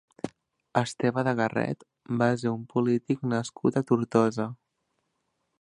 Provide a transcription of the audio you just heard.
Esteve de Garret va ser un polític nascut a Tortosa.